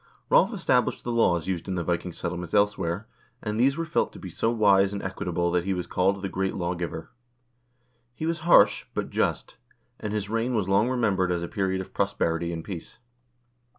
Rolv established the laws used in the Viking settlements elsewhere, and these were felt to be so wise and equitable that he was called the great lawgiver. He was harsh, but just, and his reign was long remembered as a period of prosperity and peace.